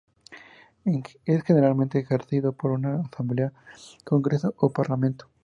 Es generalmente ejercido por una asamblea, congreso o parlamento.